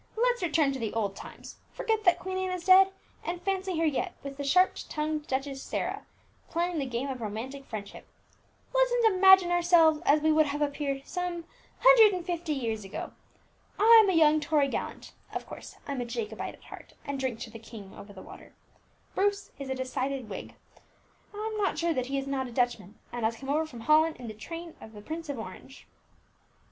Let's return to the olden times, forget that Queen Anne is dead, and fancy her yet with the sharp tongued Duchess Sarah playing the game of romantic friendship. Let's imagine ourselves as we would have appeared some hundred and fifty years ago. I'm a young Tory gallant (of course, I'm a Jacobite at heart, and drink to 'the king over the water'); Bruce is a decided Whig, I'm not sure that he is not a Dutchman, and has come over from Holland in the train of the Prince of Orange."